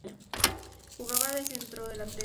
Jugaba de Centrodelantero.